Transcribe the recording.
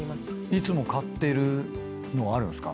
いつも買ってるのあるんすか？